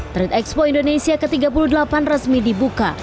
trade expo indonesia ke tiga puluh delapan resmi dibuka